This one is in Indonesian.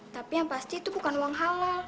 tapi yang pasti itu bukan uang halal